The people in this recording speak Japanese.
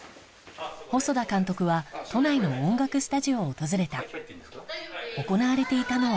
細田監督は都内の音楽スタジオを訪れた行われていたのは